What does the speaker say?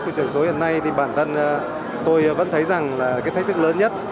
chương trình chuyển đổi số hiện nay thì bản thân tôi vẫn thấy rằng là cái thách thức lớn nhất